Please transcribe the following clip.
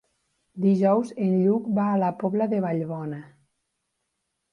Dijous en Lluc va a la Pobla de Vallbona.